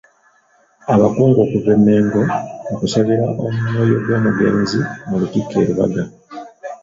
Abakungu okuva e Mengo mu kusabira omwoyo gw'omugenzi mu Lutikko e Lubaga.